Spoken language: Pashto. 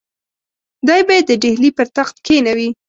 دی به یې د ډهلي پر تخت کښېنوي.